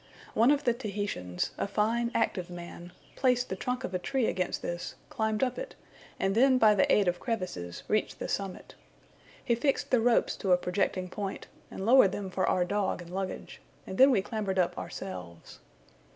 One of the Tahitians, a fine active man, placed the trunk of a tree against this, climbed up it, and then by the aid of crevices reached the summit. He fixed the ropes to a projecting point, and lowered them for our dog and luggage, and then we clambered up ourselves.